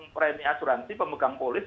premi asuransi pemegang polis